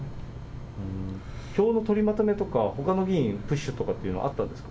票の取りまとめとかほかの議員のプッシュとかはあったんです